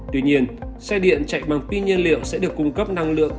tuy nhiên xe điện chạy bằng pin nhiên liệu sẽ được cung cấp năng lượng